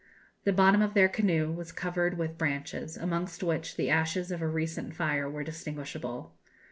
The bottom of their canoe was covered with branches, amongst which the ashes of a recent fire were distinguishable.